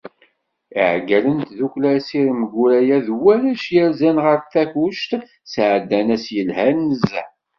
Iεeggalen n tdukkla Asirem Guraya d warrac yerzan ɣer Takkuct, sεeddan ass yelhan nezzeh.